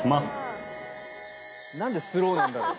何でスローなんだろう？